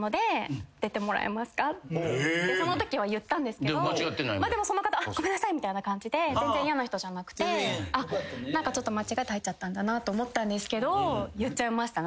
そのときは言ったんですけどその方ごめんなさい！みたいな感じで全然やな人じゃなくて間違えて入っちゃったんだなと思ったんですけど言っちゃいましたね